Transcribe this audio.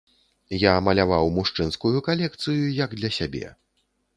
Я маляваў мужчынскую калекцыю як для сябе.